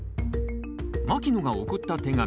牧野が送った手紙。